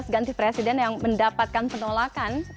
ganti presiden yang mendapatkan penolakan